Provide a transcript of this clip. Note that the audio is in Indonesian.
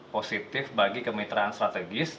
positif bagi kemitraan strategis